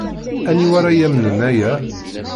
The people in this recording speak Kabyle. Aniwa ara yamnen aya?